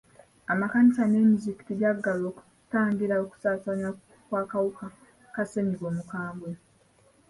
Amakkanisa n'emizikiti byaggalwa okutangira okusaasaanya kw'akawuka ka ssenyiga omukambwe.